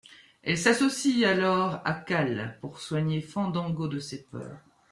Elle s'associe alors à Cal pour soigner Fandango de ses peurs.